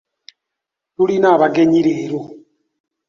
Tulina abagenyi leero.